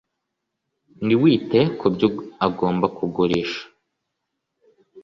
ntiwite kubyo agomba kugurisha.